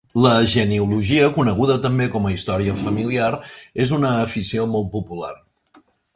La genealogia, coneguda també com a història familiar, és una afició molt popular